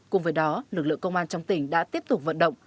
cùng với đó lực lượng công an trong tỉnh đã tiếp tục vận động